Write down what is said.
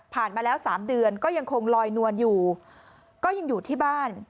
มาแล้ว๓เดือนก็ยังคงลอยนวลอยู่ก็ยังอยู่ที่บ้าน